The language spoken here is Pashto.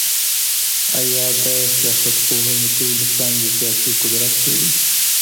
آيا د سياستپوهني ټولي څانګي سياسي قدرت څېړي؟